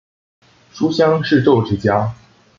书香世胄之家。